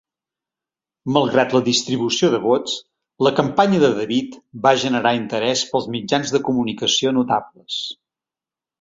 Malgrat la distribució de vots, la campanya de David va generar interès pels mitjans de comunicació notables.